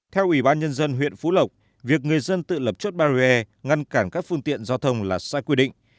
theo ủy ban nhân dân huyện phú lộc việc người dân tự lập chốt barrier ngăn cản các phương tiện giao thông là sai quy định